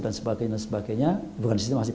dan sebagainya sebagainya bukan sistem asin